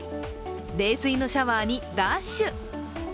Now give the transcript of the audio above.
冷水のシャワーにダッシュ。